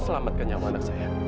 saya akan selamatkan nyawa anak saya